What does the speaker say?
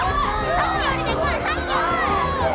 ・さっきよりでかい！